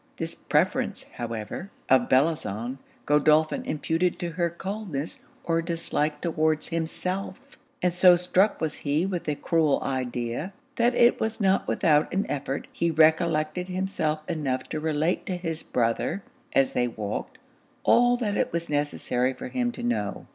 This preference, however, of Bellozane, Godolphin imputed to her coldness or dislike towards himself; and so struck was he with the cruel idea, that it was not without an effort he recollected himself enough to relate to his brother, as they walked, all that it was necessary for him to know.